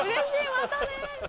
またね。